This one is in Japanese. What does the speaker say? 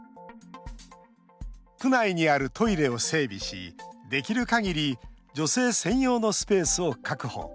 区内にあるトイレを整備しできるかぎり女性専用のスペースを確保。